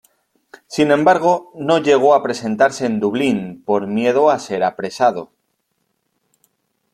Sin embargo, no llegó a presentarse en Dublín por miedo a ser apresado.